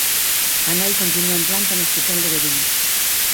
A nai continúa en planta no Hospital de Verín.